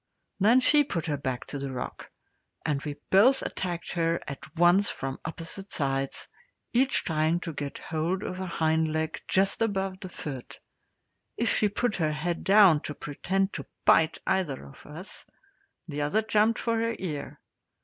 Then she put her back to the rock, and we both attacked her at once from opposite sides, each trying to get hold of a hind leg just above the foot. If she put her head down to pretend to bite either of us, the other jumped for her ear.